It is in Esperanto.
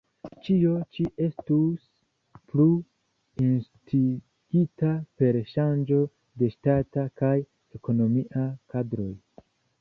Ĉio ĉi estus plu instigita per ŝanĝo de ŝtata kaj ekonomia kadroj.